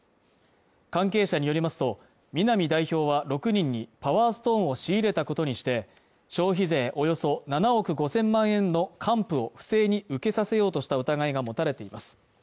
関係者によりますと南代表は６人にパワーストーンを仕入れたことにして消費税およそ７億５０００万円の還付を不正に受けさせようとした疑いが持たれています